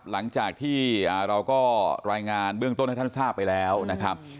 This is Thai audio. หลังจากที่เราก็รายงานเบื้องต้นให้ท่านทราบไปแล้วนะครับ